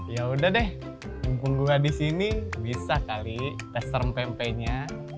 yaudah deh minggu gue disini bisa kali tester pempenya